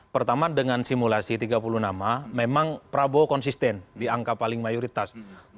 pertama dengan simulasi tiga puluh nama memang prabowo konsisten di angka paling mayoritas